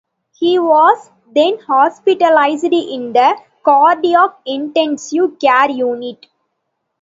He was then hospitalized in the cardiac intensive care unit.